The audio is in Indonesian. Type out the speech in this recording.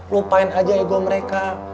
lupain aja ego mereka